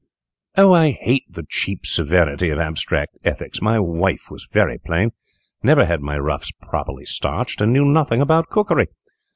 "Oh, I hate the cheap severity of abstract ethics! My wife was very plain, never had my ruffs properly starched, and knew nothing about cookery.